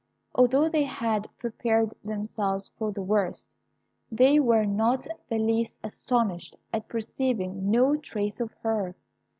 Although they had prepared themselves for the worst, they were not the less astonished at perceiving no trace of her.